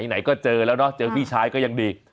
ไหนก็เจอแล้วเนอะเจอพี่ชายก็ยังดี